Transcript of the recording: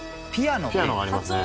ピアノがありますね。